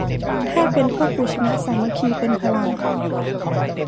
ถ้าเป็น พวกกูชนะ สามัคคีเป็นพลัง